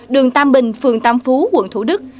đường tam bình phường tam phú quận thủ đức